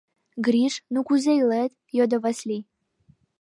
— Гриш, ну кузе илет? — йодо Васлий.